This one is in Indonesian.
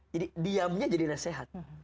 jadi diamnya jadi nasehat